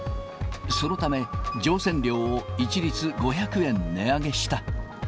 そのため、乗船料を一律５００円値上げした。